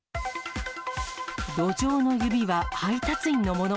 路上の指は配達員のもの。